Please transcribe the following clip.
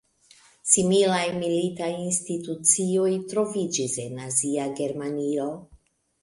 Similaj militaj institucioj troviĝis en nazia Germanio.